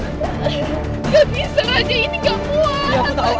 gak bisa raja ini gak puas sakit banget